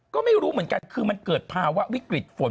ก็ไม่รู้เหมือนกันคือมันเกิดภาวะวิกฤตฝน